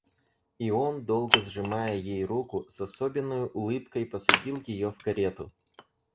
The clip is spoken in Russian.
И он, долго сжимая ей руку, с особенною улыбкой посадил ее в карету.